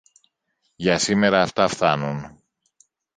Για σήμερα αυτά φθάνουν.